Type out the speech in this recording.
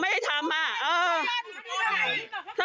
สวัสดีคุณผู้ชายสวัสดีคุณผู้ชาย